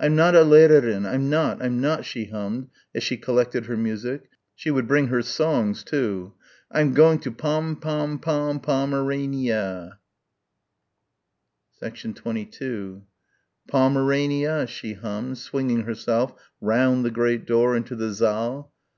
"I'm not a Lehrerin I'm not I'm not," she hummed as she collected her music ... she would bring her songs too.... "I'm going to Pom pom pom Pom erain eeya." 22 "Pom erain eeya," she hummed, swinging herself round the great door into the saal.